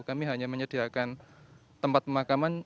kami hanya menyediakan tempat pemakaman